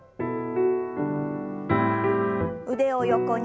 腕を横に。